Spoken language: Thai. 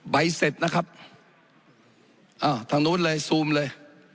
เสร็จนะครับอ้าวทางนู้นเลยซูมเลย